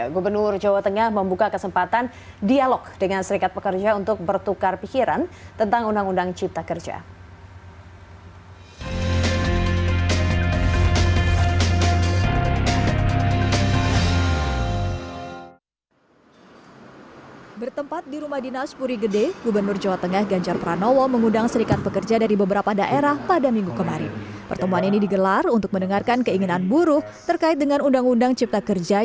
gubernur jawa tengah membuka kesempatan dialog dengan serikat pekerja untuk bertukar pikiran tentang undang undang cipta kerja